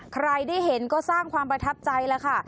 ใครได้เห็นก็สร้างความประทับใจแล้วค่ะ